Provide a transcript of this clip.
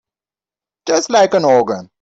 Just like an organ.